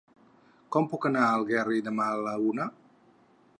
Com puc anar a Algerri demà a la una?